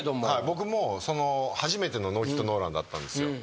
僕も初めてのノーヒットノーランだったんですよ。